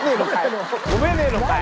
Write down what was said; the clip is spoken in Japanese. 込めねえのかい！